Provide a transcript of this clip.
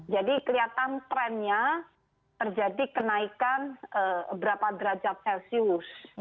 jadi kelihatan trendnya terjadi kenaikan berapa derajat celcius